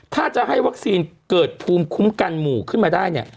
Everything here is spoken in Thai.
ถ้าจะให้วัคซีนเกิดภูมิคุ้มกันหมู่ขึ้นมาได้เนี่ย